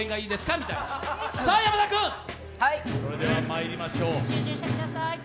山田君、それではまいりましょう。